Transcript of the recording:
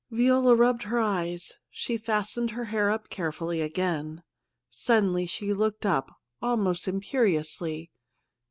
Viola rubbed her eyes. She fastened her hair up carefully again. Suddenly she looked up, almost imperiously.